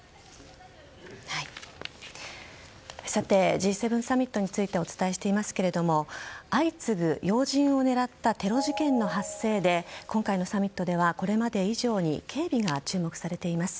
Ｇ７サミットについてお伝えしていますが相次ぐ要人を狙ったテロ事件の発生で今回のサミットではこれまで以上に警備が注目されています。